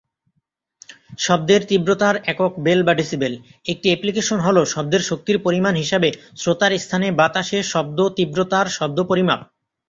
শব্দের তীব্রতার একক বেল/ডেসিবেল। একটি অ্যাপ্লিকেশন হ'ল শব্দের শক্তির পরিমাণ হিসাবে শ্রোতার স্থানে বাতাসে শব্দ তীব্রতার শব্দ পরিমাপ।